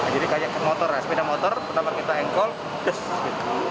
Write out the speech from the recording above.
jadi kayak sepeda motor pertama kita engkol yes